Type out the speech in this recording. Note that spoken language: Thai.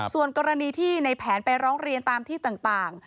ส่วนกรณีที่ในแผนไปร้องเรียนตามที่ต่าง